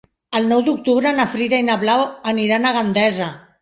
El nou d'octubre na Frida i na Blau aniran a Gandesa.